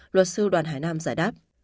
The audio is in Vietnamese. luật sư đoàn hải nam giải đáp